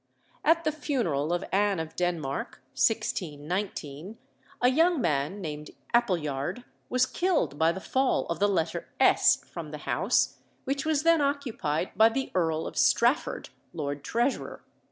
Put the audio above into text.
At the funeral of Anne of Denmark, 1619, a young man, named Appleyard, was killed by the fall of the letter S from the house, which was then occupied by the Earl of Strafford, Lord Treasurer.